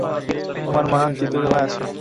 তোমার মা তৃতীয় তলায় আছে।